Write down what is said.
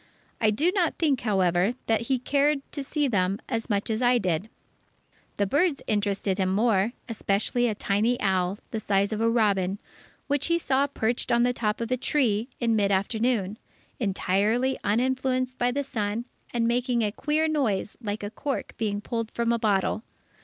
I do not think, however, that he cared to see them as much as I did. The birds interested him more, especially a tiny owl, the size of a robin, which we saw perched on the top of a tree, in mid afternoon, entirely uninfluenced by the sun, and making a queer noise like a cork being pulled from a bottle.